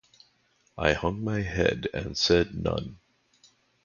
I hung my head and said, None.